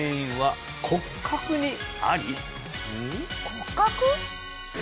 骨格？